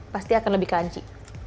pasti akan lebih kanci